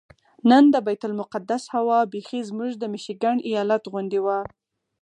نن د بیت المقدس هوا بیخي زموږ د میشیګن ایالت غوندې وه.